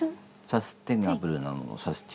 サステナブルの？